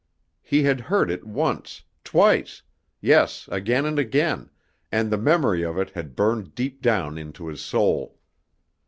He had heard it once, twice yes, again and again, and the memory of it had burned deep down into his soul.